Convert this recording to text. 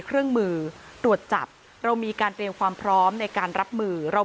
เครื่องมือตรวจจับเรามีการเตรียมความพร้อมในการรับมือเรา